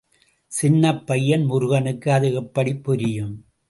சின்னப் பையன் முருகனுக்கு அது எப்படி புரியும்?